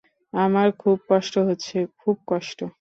আমার খুব কষ্ট হচ্ছে, খুব কষ্ট।